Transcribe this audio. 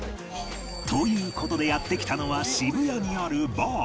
という事でやって来たのは渋谷にあるバー